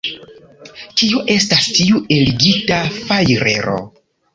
Kio estas tiu eligita fajrero?